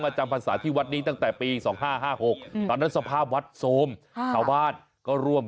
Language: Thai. ก็๑๑ปีที่แล้ว